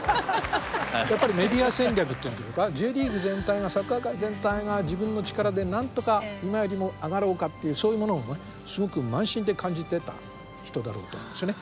やっぱりメディア戦略って言うんでしょうかＪリーグ全体がサッカー界全体が自分の力でなんとか今よりも上がろうかっていうそういうものをすごく満身で感じてた人だろうと思うんですよね。